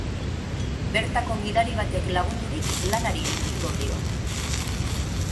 Bertako gidari batek lagundurik lanari ekingo dio.